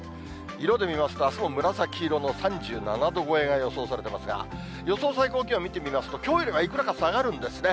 色で見ますと、あすも紫色の３７度超えが予想されていますが、予想最高気温見てみますと、きょうよりはいくらか下がるんですね。